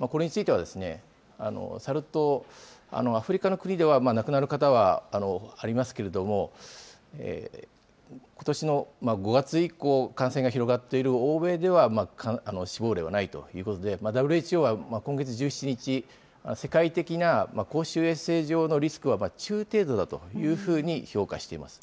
これについては、サル痘、アフリカの国では、亡くなる方はありますけれども、ことしの５月以降、感染が広がっている欧米では死亡例はないということで、ＷＨＯは今月１７日、世界的な公衆衛生上のリスクは中程度だというふうに評価しています。